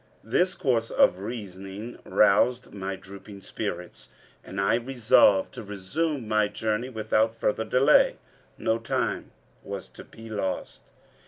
This course of reasoning roused my drooping spirits, and I resolved to resume my journey without further delay. No time was to be lost.